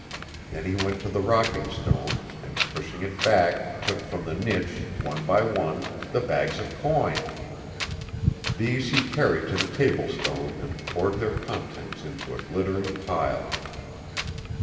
Then he went to the rocking stone, and pushing it back, took from the niche, one by one, the bags of coin. These he carried to the table stone and poured their contents into a glittering pile.